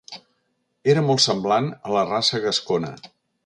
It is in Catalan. Era molt semblant a la raça gascona.